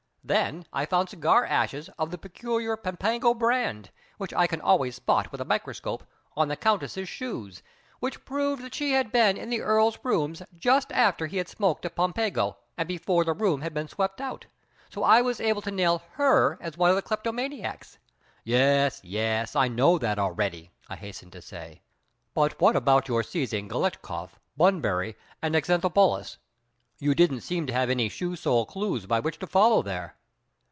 Then I found cigar ashes of the peculiar Pampango brand, which I can always spot with a microscope, on the Countess's shoes, which proved that she had been in the Earl's rooms just after he had smoked a Pampango and before the room had been swept out, so I was able to nail her as one of the kleptomaniacs " "Yes, yes, I know that already," I hastened to say; "but what about your seizing Galetchkoff, Bunbury, and Xanthopoulos? You didn't seem to have any shoe sole clues by which to follow there."